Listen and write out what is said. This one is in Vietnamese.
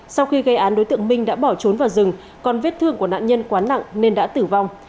sau khi gây án đối tượng minh đã bỏ trốn vào rừng còn vết thương của nạn nhân quá nặng nên đã tử vong